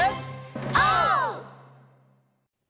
オー！